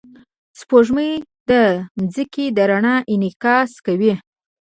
سپوږمۍ د ځمکې د رڼا انعکاس کوي